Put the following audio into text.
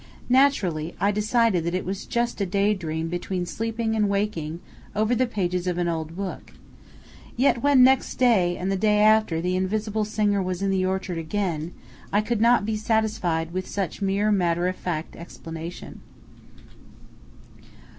Naturally, I decided that it was just a day dream between sleeping and waking over the pages of an old book; yet when next day and the day after the invisible singer was in the orchard again, I could not be satisfied with such mere matter of fact explanation.